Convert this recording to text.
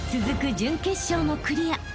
［続く準決勝もクリア］